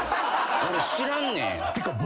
俺知らんねん。